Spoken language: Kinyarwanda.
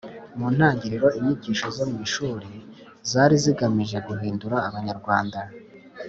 mu ntangiriro inyigisho zo mu ishuri zari zigamije guhindura abanyarwanda